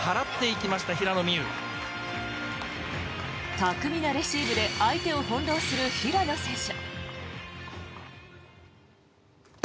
巧みなレシーブで相手を翻ろうする平野選手。